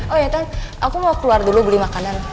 oh ya tan aku mau keluar dulu beli makanan